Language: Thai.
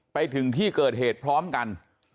ไปถึงที่เกิดเหตุพร้อมกัน